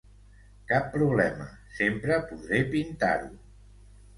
Cap problema, sempre podré pintar-ho.